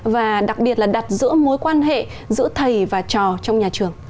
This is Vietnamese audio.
và đặc biệt là đặt giữa mối quan hệ giữa thầy và trò trong nhà trường